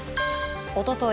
おととい